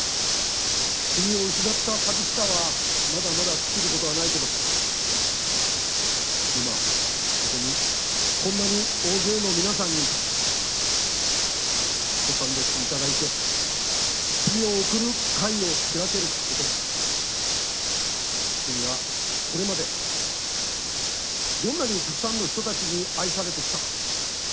君を失った寂しさはまだまだ尽きることはないけど、今、ここに、こんなに大勢の皆さんにご参列いただいて、君を送る会を開けること、君はこれまで、どんなにたくさんの人たちに愛されてきたか。